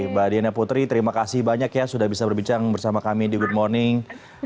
mbak diana putri terima kasih banyak ya sudah bisa berbincang bersama kami di good morning